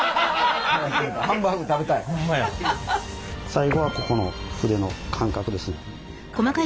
最後はここの筆の感覚ですね。